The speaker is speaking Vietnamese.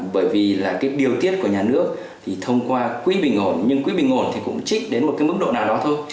bởi vì là cái điều tiết của nhà nước thì thông qua quỹ bình ổn nhưng quỹ bình ổn thì cũng trích đến một cái mức độ nào đó thôi